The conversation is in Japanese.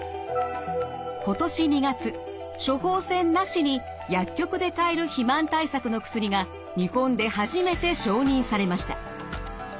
今年２月処方箋なしに薬局で買える肥満対策の薬が日本で初めて承認されました。